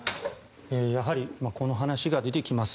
やはり、この話が出てきます。